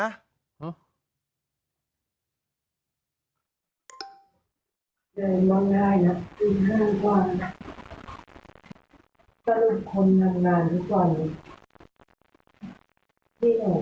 ในวังด้ายนับที่๕ความ